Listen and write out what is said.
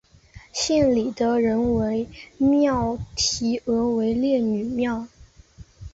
县里的人为庙题额为烈女庙。